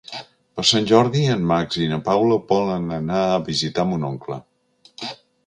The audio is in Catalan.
Per Sant Jordi en Max i na Paula volen anar a visitar mon oncle.